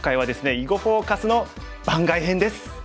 「囲碁フォーカス」の番外編です。